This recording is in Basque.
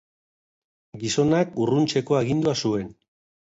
Gizonak urruntzeko agindua zuen.